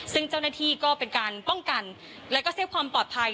ซึ่งเจ้าหน้าที่ก็เป็นการป้องกันและก็เซฟความปลอดภัย